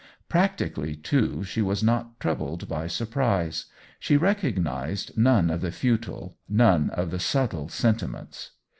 Practically, too, she was not troubled by surprise; she recognized none of the futile, none of the subtle sentiments.